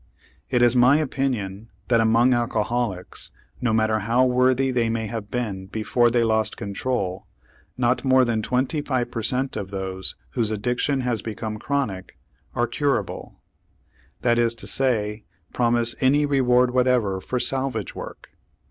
It is my opinion that among alcoholics, no matter how worthy they may have been before they lost control, not more than twenty five per cent. of those whose addiction has become chronic are curable; that is to say, promise any reward whatever for salvage work.